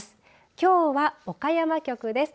きょうは岡山局です。